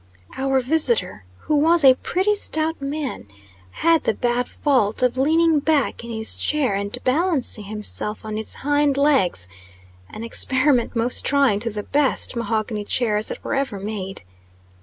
Our visitor, who was a pretty stout man, had the bad fault of leaning back in his chair, and balancing himself on its hind legs; an experiment most trying to the best mahogany chairs that were ever made.